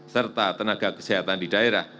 serta tenaga kesehatan di daerah